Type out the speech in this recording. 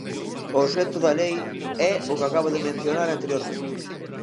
O obxecto da lei é o que acabo de mencionar anteriormente.